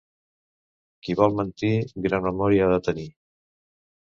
Qui vol mentir, gran memòria ha de tenir.